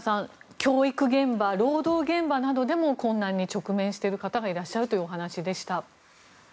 教育現場、労働現場などでも困難に直面している方がいらっしゃるというお話でした。